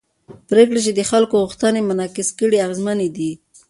پرېکړې چې د خلکو غوښتنې منعکس کړي اغېزمنې دي